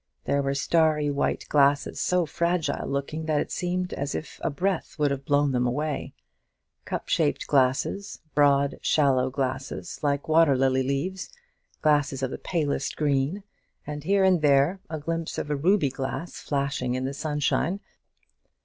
There were starry white glasses, so fragile looking that it seemed as if a breath would have blown them away; cup shaped glasses, broad shallow glasses like water lily leaves, glasses of the palest green, and here and there a glimpse of ruby glass flashing in the sunshine.